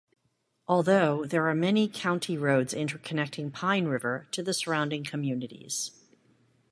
Although, there are many county roads interconnecting Pine River to the surrounding communities.